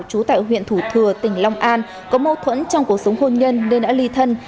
trú tại huyện thủ thừa tỉnh long an có mâu thuẫn trong cuộc sống hôn nhân nên đã ly thân